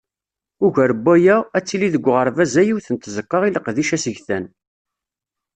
Ugar n waya, ad tili deg uɣerbaz-a yiwet n tzeqqa i leqdic asegtan.